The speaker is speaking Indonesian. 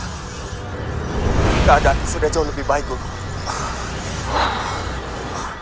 tidak ada yang sudah jauh lebih baik guru